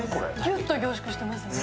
ギュッと凝縮してますね。